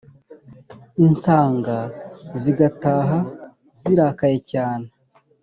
insánga zigataha zirakaye cyane